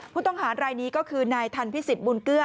ผู้ต้องหารไลนี้ก็คือนายธัณฑ์พิสิตม์บูลเกลือ